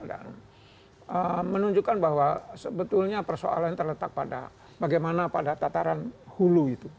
menunjukkan bahwa sebetulnya persoalan terletak pada bagaimana pada tataran hulu itu